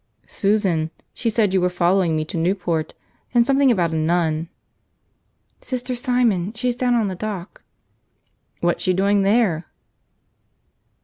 "Susan. She said you were following me to Newport. And something about a nun." "Sister Simon. She's down on the dock." "What's she doing there?"